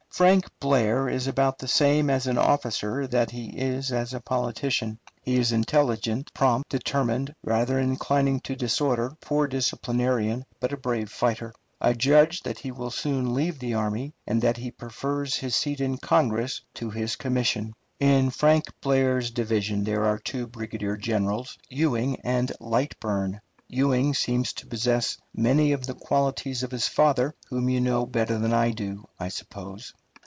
Frank Blair is about the same as an officer that he is as a politician. He is intelligent, prompt, determined, rather inclining to disorder, a poor disciplinarian, but a brave fighter. I judge that he will soon leave the army, and that he prefers his seat in Congress to his commission. In Frank Blair's division there are two brigadier generals, Ewing and Lightburne. Ewing seems to possess many of the qualities of his father, whom you know better than I do, I suppose.